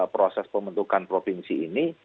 proses pembentukan provinsi ini